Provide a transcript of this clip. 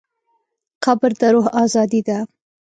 قبر د روح ازادي ده.